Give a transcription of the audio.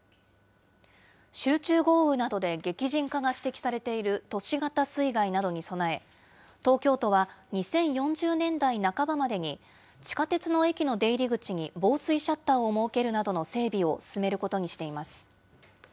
集中豪雨などで激甚化が指摘されている都市型水害などに備え、東京都は２０４０年代半ばまでに、地下鉄の駅の出入り口に防水シャッターを設けるなどの整備を進めることにしています。